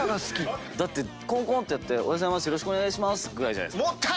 だってコンコンってやって「よろしくお願いします」ぐらいじゃないですか？